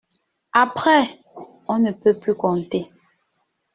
Après, on ne peut plus compter.